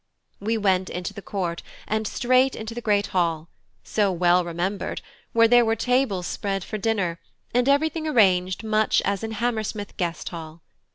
We went into the Court and straight into the great hall, so well remembered, where there were tables spread for dinner, and everything arranged much as in Hammersmith Guest Hall.